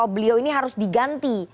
beliau ini harus diganti